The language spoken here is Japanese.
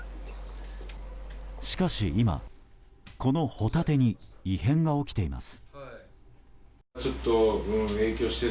しかし今、このホタテに異変が起きています。